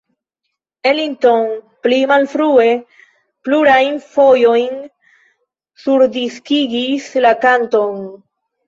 Ellington pli malfrue plurajn fojojn surdiskigis la kanton.